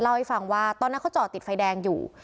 เล่าให้ฟังว่าตอนนั้นเขาจอดติดไฟแดงอยู่